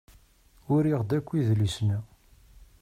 Uriɣ-d akk idlisen-a.